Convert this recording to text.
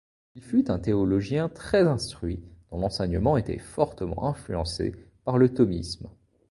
Il fut un théologien très instruit dont l'enseignement était fortement influencé par le thomisme.